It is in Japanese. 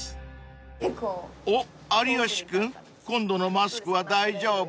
［おっ有吉君今度のマスクは大丈夫？］